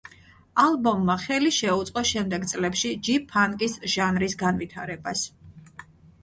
ალბომმა ხელი შეუწყო შემდეგ წლებში ჯი ფანკის ჟანრის განვითარებას.